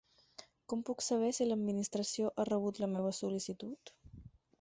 Com puc saber si l'Administració ha rebut la meva sol·licitud?